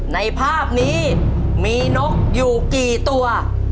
ในภาพนี้มีนกอยู่กี่ตัว